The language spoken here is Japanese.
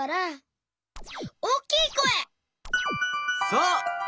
そう！